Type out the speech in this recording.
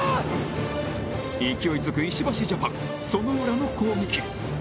勢いづく石橋ジャパンその裏の攻撃